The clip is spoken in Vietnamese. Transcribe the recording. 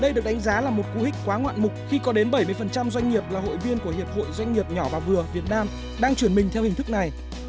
đây được đánh giá là một cú hích quá ngoạn mục khi có đến bảy mươi doanh nghiệp là hội viên của hiệp hội doanh nghiệp nhỏ và vừa việt nam đang chuyển mình theo hình thức này